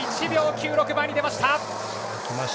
１秒９６前に出ました。